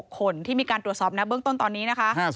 คนที่มีการตรวจสอบนะเบื้องต้นตอนนี้นะคะ